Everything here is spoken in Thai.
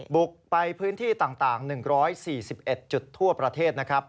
บุกไปพื้นที่ต่าง๑๔๑จุดทั่วประเทศนะครับ